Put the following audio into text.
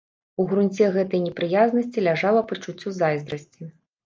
У грунце гэтае непрыязнасці ляжала пачуццё зайздрасці.